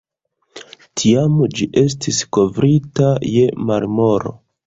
Tiam ĝi estis kovrita je marmoro.